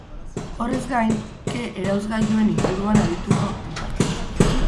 Horrez gain, ke-erauzgailuen inguruan arituko dira.